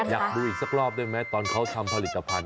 อยากดูอีกสักรอบได้ไหมตอนเขาทำผลิตภัณฑ